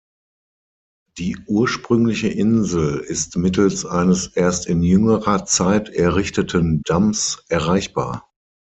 Die ursprüngliche Insel ist mittels eines erst in jüngerer Zeit errichteten Damms erreichbar.